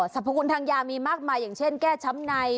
สรรพคุณทางยามีมากมายอย่างเช่นแก้ช้ำใน